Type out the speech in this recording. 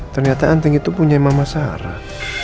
ternyata anting itu punya mama sarah